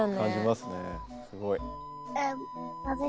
すごい。